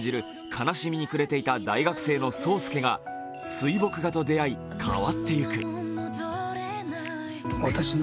悲しみに暮れていた大学生の霜介が水墨画と出会い、変わっていく。